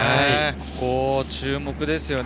ここ注目ですね。